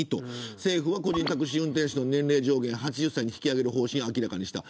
政府は個人タクシー運転手の年齢上限を８０歳に引き上げる方針を明らかにした。